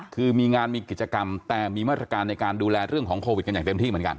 คือมีงานมีกิจกรรมแต่มีมาตรการในการดูแลเรื่องของโควิดกันอย่างเต็มที่เหมือนกัน